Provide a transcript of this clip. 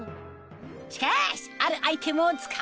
しかし！